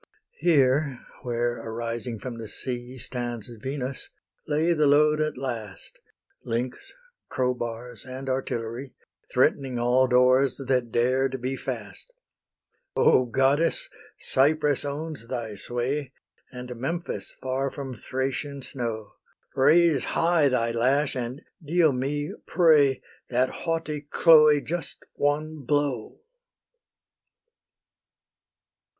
Here, where arising from the sea Stands Venus, lay the load at last, Links, crowbars, and artillery, Threatening all doors that dared be fast. O Goddess! Cyprus owns thy sway, And Memphis, far from Thracian snow: Raise high thy lash, and deal me, pray, That haughty Chloe just one blow!